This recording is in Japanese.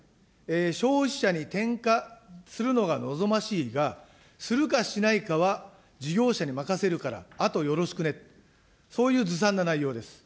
消費者に転嫁するのが望ましいが、するかしないかは事業者に任せるから、あとよろしくね、そういうずさんな内容です。